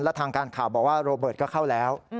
และทางการข่าวบอกว่าโรเบิร์ตก็เข้าแล้ว